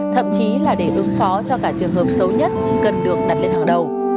thậm chí là để ứng phó cho cả trường hợp xấu nhất cần được đặt lên hàng đầu